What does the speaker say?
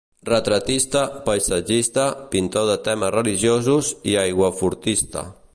Retratista, paisatgista, pintor de temes religiosos i aiguafortista.